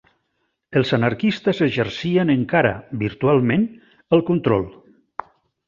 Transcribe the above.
Els anarquistes exercien encara, virtualment, el control.